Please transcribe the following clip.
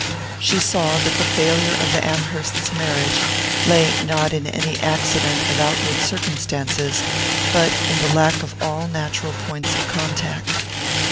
She saw that the failure of the Amhersts' marriage lay not in any accident of outward circumstances but in the lack of all natural points of contact.